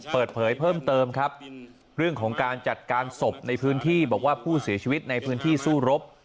เปิดเผยเพิ่มเติมครับเรื่องของการจัดการศพในพื้นที่บอกว่าผู้เสียชีวิตในพื้นที่สู้รบ